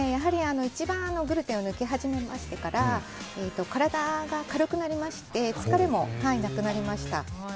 グルテンを抜き始めてから体が軽くなりまして疲れもなくなりました。